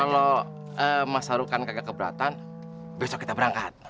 kalau mas sarukan kagak keberatan besok kita berangkat